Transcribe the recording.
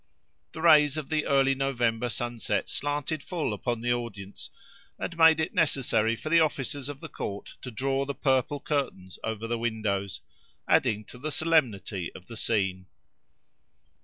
The rays of the early November sunset slanted full upon the audience, and made it necessary for the officers of the Court to draw the purple curtains over the windows, adding to the solemnity of the scene.